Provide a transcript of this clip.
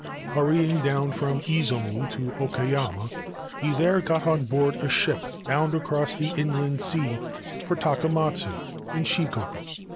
Hurrying down from Izumo to Okayama, he there got on board a ship bound across the Inland Sea for Takamatsu, in Shikoku.